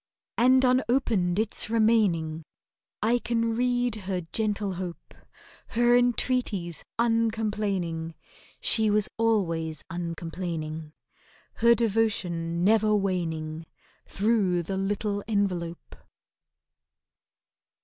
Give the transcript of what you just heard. And unopened it's remaining! I can read her gentle hope— Her entreaties, uncomplaining (She was always uncomplaining), Her devotion never waning— Through the little envelope!